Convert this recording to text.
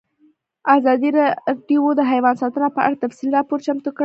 ازادي راډیو د حیوان ساتنه په اړه تفصیلي راپور چمتو کړی.